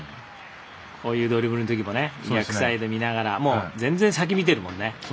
こういうドリブルのときも逆サイド見ながら全然先を見てるもんね。